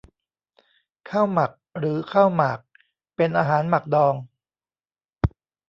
ข้าวหมัก หรือข้าวหมาก เป็นอาหารหมักดอง